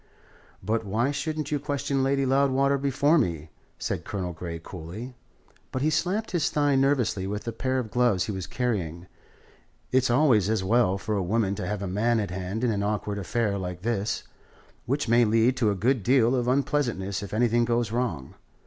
"But why shouldn't you question Lady Loudwater before me?" said Colonel Grey coolly; but he slapped his thigh nervously with the pair of gloves he was carrying. "It's always as well for a woman to have a man at hand in an awkward affair like this, which may lead to a good deal of unpleasantness if anything goes wrong.